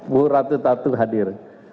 bu ratu tatu hadir